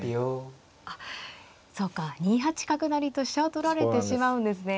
あっそうか２八角成と飛車を取られてしまうんですね。